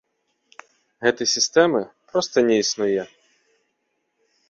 Гэтай сістэмы проста не існуе.